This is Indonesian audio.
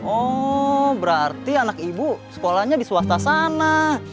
oh berarti anak ibu sekolahnya di swasta sana